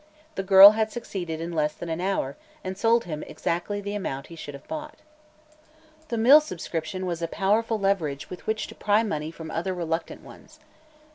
The girl had succeeded in less than an hour, and sold him exactly the amount he should have bought. The mill subscription was a powerful leverage with which to pry money from other reluctant ones.